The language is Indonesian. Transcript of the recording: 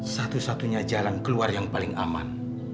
satu satunya jalan keluar yang paling aman